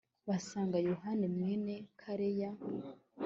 basanga yohanani mwene kareya